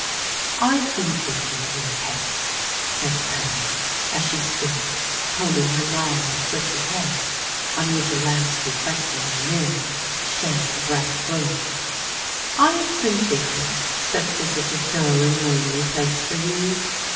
"I have been thinking, dear Kate," said Ellen, as she stood combing her long and silky hair, on which a lamp's reflection in the mirror shed a bright glory,—"I have been thinking that this is a dull and lonely place for you.